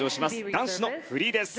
男子のフリーです。